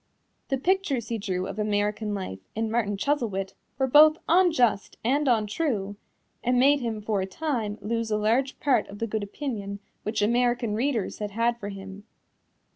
The pictures he drew of American life in Martin Chuzzlewit were both unjust and untrue, and made him for a time lose a large part of the good opinion which American readers had had for him.